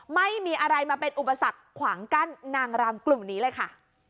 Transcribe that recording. ไม่มีอะไรมาเป็นอุปสรรคขวางกั้นนางรำกลุ่มนี้เลยค่ะ